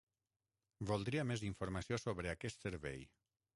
Voldria més informació sobre aquest servei.